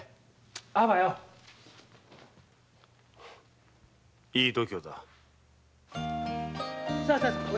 アバよいい度胸だ。